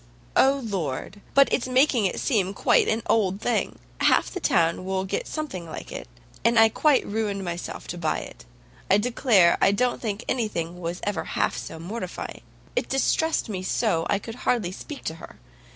"O Lord! but it's making it seem quite an old thing! Half the town will get something like it. And I quite ruined myself to buy it. I declare, I don't think anything was ever half so mortifying. It distressed me so, I could hardly speak to her.